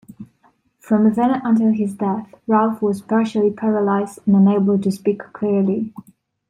From then until his death, Ralph was partially paralysed and unable to speak clearly.